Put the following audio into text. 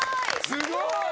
すごい！